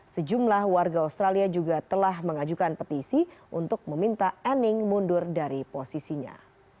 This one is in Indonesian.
sejumlah warga australia juga telah mengajukan petisi untuk meminta anning mundur dari posisinya